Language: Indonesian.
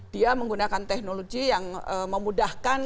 dia menggunakan teknologi yang memudahkan